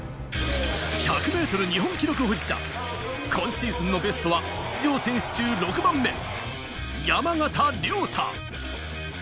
１００ｍ日本記録保持者、今シーズンのベストは出場選手中６番目、山縣亮太。